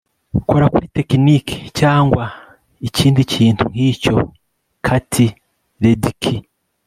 kora kuri tekinike cyangwa ikindi kintu nkicyo. - katie ledecky